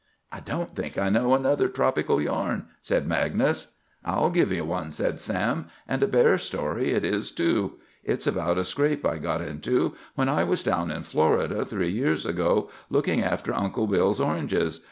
"I don't think I know another tropical yarn," said Magnus. "I'll give you one," said Sam, "and a bear story it is too. It's about a scrape I got into when I was down in Florida three years ago, looking after Uncle Bill's oranges.